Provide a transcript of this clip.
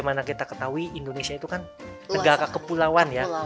dimana kita ketahui indonesia itu kan negara kepulauan ya